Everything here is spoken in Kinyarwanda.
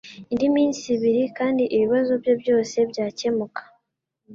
Indi minsi ibiri kandi ibibazo bye byose byakemuka.